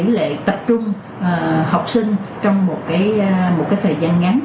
cái tỷ lệ tập trung học sinh trong một cái thời gian ngắn